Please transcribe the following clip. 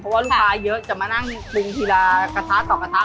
เพราะว่าลูกค้าเยอะจะมานั่งปรุงทีละกระทะต่อกระทะ